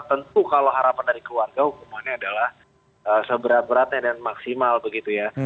tentu kalau harapan dari keluarga hukumannya adalah seberat beratnya dan maksimal begitu ya